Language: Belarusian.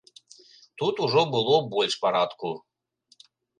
Тут ужо было больш парадку.